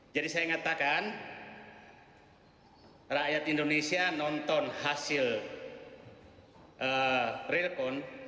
jadi saya mengatakan rakyat indonesia nonton hasil rilkon